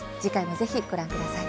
ぜひ、ご覧ください。